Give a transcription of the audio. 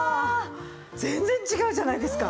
全然違うじゃないですか。